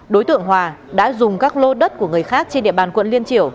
đối tượng hòa đã dùng các lô đất của người khác trên địa bàn quận liên triểu